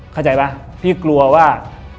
เข้าใจป่ะพี่กลัวว่า